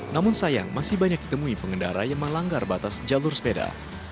namun sayang masih banyak ditemui pengendara yang melanggar batas jalur sepeda